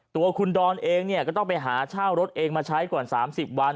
ตัวคุณดอนเองเนี่ยก็ต้องไปหาเช่ารถเองมาใช้ก่อน๓๐วัน